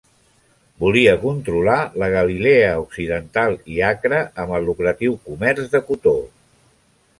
Volia controlar la Galilea occidental i Acre amb el lucratiu comerç de cotó.